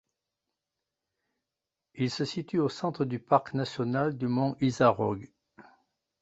Il se situe au centre du parc national du mont Isarog.